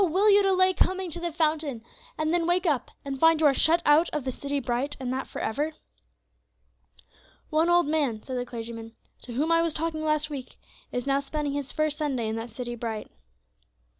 will you delay coming to the fountain, and then wake up, and find you are shut out of the city bright, and that for ever? "One old man," said the clergyman, "to whom I was talking last week is now spending his first Sunday in that city bright."